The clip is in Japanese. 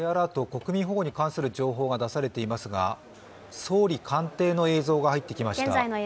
国民保護に関する情報が出されていますが、総理官邸の映像が入ってきました。